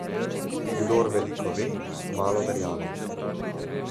Kdor veliko ve, malo verjame.